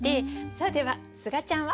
さあではすがちゃんは？